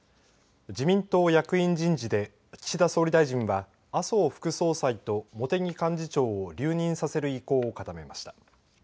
自民党役員人事で岸田総理大臣は麻生副総裁と茂木幹事長を留任させる意向を固めました。